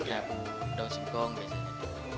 labu daun singkong biasanya